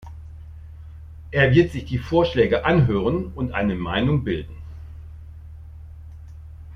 Er wird sich die Vorschläge anhören und eine Meinung bilden.